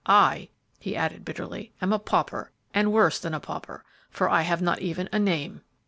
I," he added bitterly, "am a pauper, and worse than a pauper, for I have not even a name!"